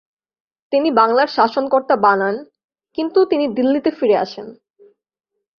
তিনি বাংলার শাসনকর্তা বানান কিন্তু তিনি দিল্লিতে ফিরে আসেন।